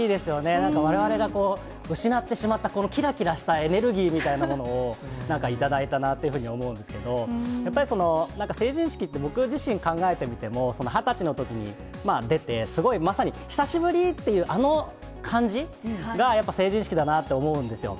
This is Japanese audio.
なんかわれわれが失ってしまった、きらきらしたエネルギーみたいなものを、なんか頂いたなっていうふうに思うんですけど、やっぱりなんか成人式って、僕自身、考えてみても、２０歳のときに出て、すごいまさに久しぶりっていう、あの感じがやっぱ成人式だなって思うんですよ。